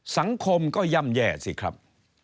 สังคมก็ย่ำแย่สิครับ